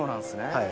はい。